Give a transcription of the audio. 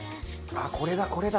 ああこれだこれだ。